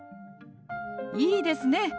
いいですね。